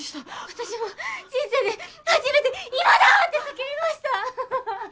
私も人生で初めて「今だ！」って叫びました。